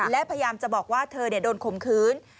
และพยายามจะบอกว่าเธอโดนข่มขืน